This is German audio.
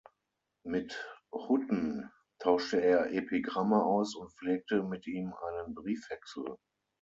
Mit Hutten tauschte er Epigramme aus und pflegte mit ihm einen Briefwechsel.